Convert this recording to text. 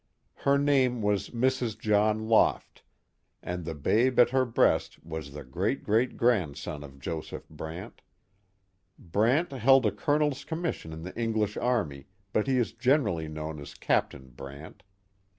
Her name was Mrs. John Loft, and the babe at her breast was the great great grandson of Joseph Brant. Brant held a colonel's 274 The Mohawk Valley commission in the English army, but he is generally known as Captain Brant.